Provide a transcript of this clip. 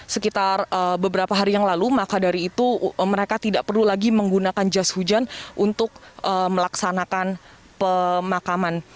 sekitar beberapa hari yang lalu maka dari itu mereka tidak perlu lagi menggunakan jas hujan untuk melaksanakan pemakaman